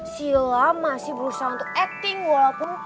sila masih berusaha untuk acting walaupun